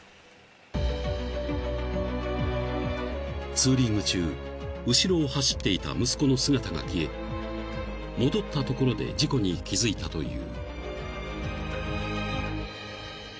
［ツーリング中後ろを走っていた息子の姿が消え戻ったところで事故に気付いたという］